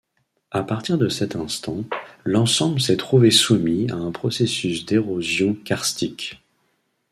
À partir de cet instant, l'ensemble s'est trouvé soumis à un processus d'érosion karstique.